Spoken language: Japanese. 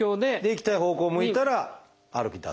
行きたい方向を向いたら歩き出す。